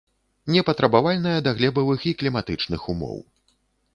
Непатрабавальная да глебавых і кліматычных умоў.